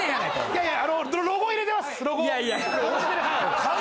いやいや。